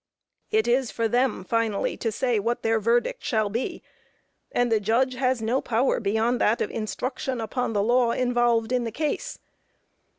It is for them finally to say what their verdict shall be, and the judge has no power beyond that of instruction upon the law involved in the case.